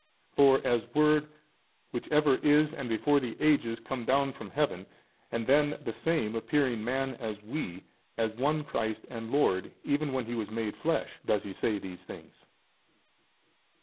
For as Word Which ever is and before the ages, come down from heaven, and then the Same appearing man as we; as One Christ and Lord even when He was made flesh, does He say these things.